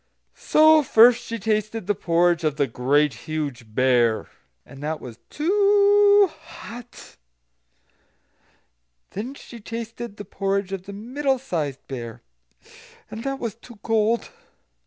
So first she tasted the porridge of the Great Huge Bear, and that was too hot. And then she tasted the porridge of the Middle sized Bear, and that was too cold.